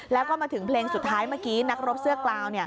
แล้วก็มาถึงเพลงสุดท้ายเมื่อกี้นักรบเสื้อกลาว